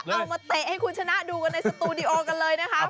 มาเตะให้คุณชนะดูกันในสตูดิโอกันเลยนะครับ